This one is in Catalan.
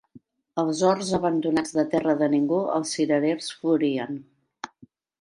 Als horts abandonats de terra de ningú els cirerers florien